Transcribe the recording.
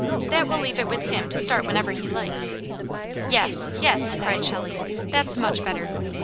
That will leave it with him to start whenever he likes." "Yes! yes!" cried Shelley. "That's much better!